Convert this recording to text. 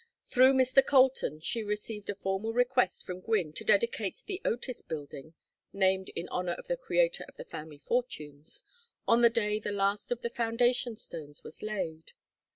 Through Mr. Colton she received a formal request from Gwynne to dedicate the Otis Building named in honor of the creator of the family fortunes on the day the last of the foundation stones was laid.